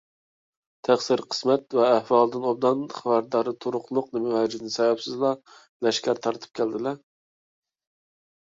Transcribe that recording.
تەقسىر، قىسمەت ۋە ئەھۋالدىن ئوبدان خەۋەردار تۇرۇقلۇق، نېمە ۋەجىدىن سەۋەبسىزلا لەشكەر تارتىپ كەلدىلە؟